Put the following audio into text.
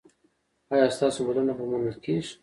ایا ستاسو بلنه به منل کیږي؟